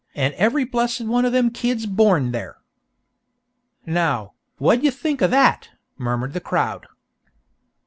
an' every blessed one of them kids born there!" "Now, wha' d'ye think o' that?" murmured the crowd.